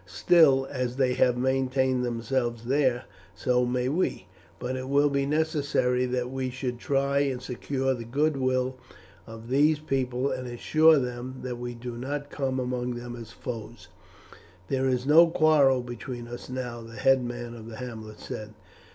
Still, as they have maintained themselves there, so may we. But it will be necessary that we should try and secure the goodwill of these people and assure them that we do not come among them as foes." "There is no quarrel between us now," the headman of the hamlet said.